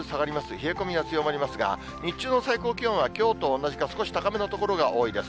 冷え込みは強まりますが、日中の最高気温はきょうと同じか少し高めの所が多いです。